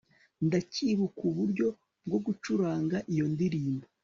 ndacyibuka uburyo bwo gucuranga iyo ndirimbo